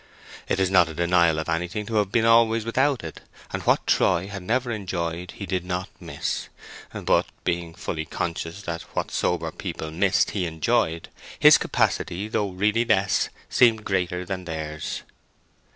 It is not a denial of anything to have been always without it, and what Troy had never enjoyed he did not miss; but, being fully conscious that what sober people missed he enjoyed, his capacity, though really less, seemed greater than theirs.